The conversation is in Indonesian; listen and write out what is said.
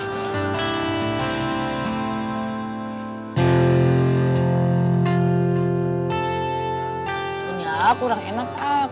ini aku kurang enak pak